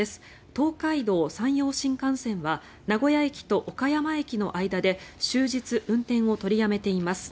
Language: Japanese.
東海道・山陽新幹線は名古屋駅と岡山駅の間で終日、運転を取りやめています。